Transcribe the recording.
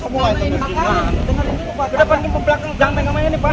di depan ini pembelakang jangan main main ini pak